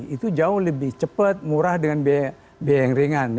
itu jauh lebih cepat murah dengan biaya yang ringan